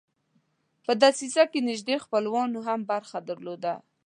په دسیسه کې نیژدې خپلوانو هم برخه درلوده.